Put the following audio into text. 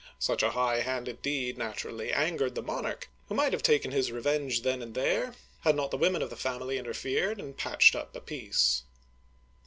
Such a high handed deed naturally angered the monarch, who might have taken his revenge then and there, had not the women of the family interfered, and patched up zr peace.